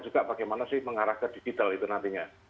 juga bagaimana sih mengarah ke digital itu nantinya